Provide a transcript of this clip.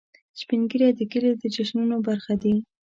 سپین ږیری د کلي د جشنونو برخه دي